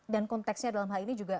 dan konteksnya dalam hal ini juga